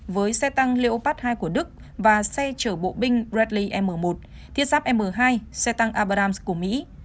với xe tăng leopard hai của đức và xe chở bộ binh bradley m một thiết giáp m hai xe tăng abrams của mỹ